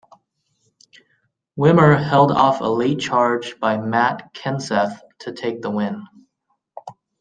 Wimmer held off a late charge by Matt Kenseth to take the win.